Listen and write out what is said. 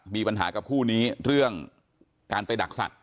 มีปัญหากับคู่นี้เรื่องการไปดักสัตว